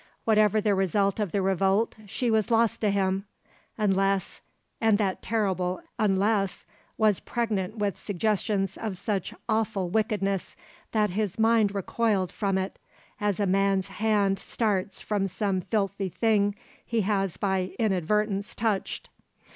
Whatever the result of the revolt, she was lost to him, unless and that terrible unless was pregnant with suggestions of such awful wickedness that his mind recoiled from it as a man's hand starts from some filthy thing he has by inadvertence touched.